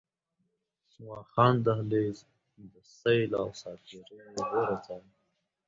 واخان دهلېز، د سيل او ساعتري غوره ځای